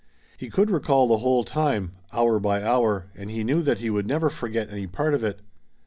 He could recall the whole time, hour by hour, and he knew that he would never forget any part of it.